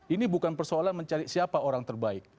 ini bukan persoalan mencari siapa orang terbaik